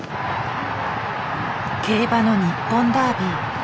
競馬の日本ダービー。